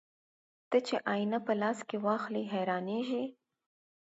ته چې آيينه په لاس کې واخلې حيرانېږې